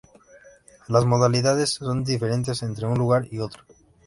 Las modalidades son diferentes entre un lugar y otro.